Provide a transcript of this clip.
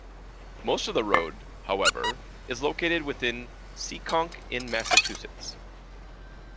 Most of the road, however, is located within Seekonk in Massachusetts.